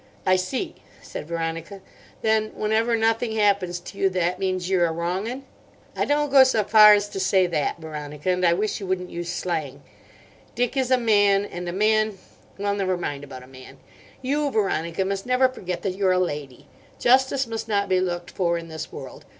"I see," said Veronica; "then whenever nothing happens to you that means that you're a wrong 'un." "I don't go so far as to say that, Veronica. And I wish you wouldn't use slang. Dick is a man, and a man—well, never mind about a man. You, Veronica, must never forget that you're a lady. Justice must not be looked for in this world.